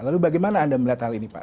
lalu bagaimana anda melihat hal ini pak